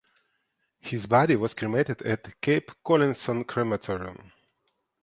His body was cremated at Cape Collinson Crematorium.